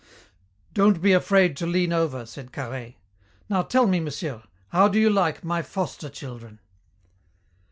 "Don't be afraid to lean over," said Carhaix. "Now tell me, monsieur, how do you like my foster children?"